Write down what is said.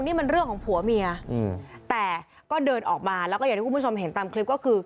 นี่มันเรื่องของผัวเมียแต่ก็เดินออกมาแล้วก็อย่างที่คุณผู้ชมเห็นตามคลิปก็คือ